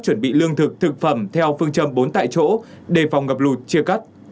chuẩn bị lương thực thực phẩm theo phương châm bốn tại chỗ đề phòng ngập lụt chia cắt